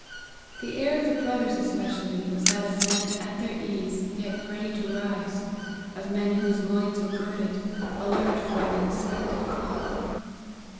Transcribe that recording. The air of the brothers especially was that of men at their ease yet ready to rise of men whose loins were girded, alert for an expected call.